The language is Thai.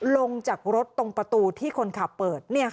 ลงจากรถตรงประตูที่คนขับเปิด